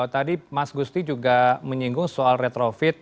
tadi mas gusti juga menyinggung soal retrofit